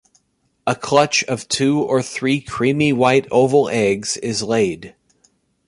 A clutch of two or three creamy-white oval eggs is laid.